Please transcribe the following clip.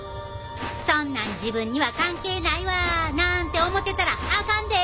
そんなん自分には関係ないわなんて思ってたらあかんで！